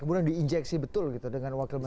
kemudian di injeksi betul gitu dengan wakil menteri